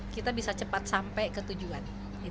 kita bisa cepat sampai ke tujuan